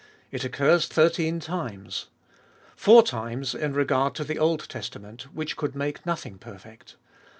It occurs thirteen times. Four times in regard to the Old Testa ment, which could make nothing perfect.